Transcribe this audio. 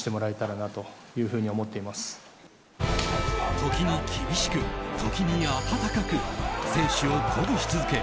時に厳しく時に温かく選手を鼓舞し続け